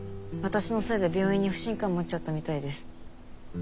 私のせいで病院に不信感持っちゃったみたいです。